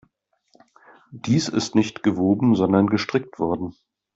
Dies ist nicht gewoben, sondern gestrickt worden.